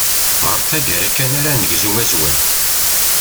Ɣer taggara kan ara negzu azwel.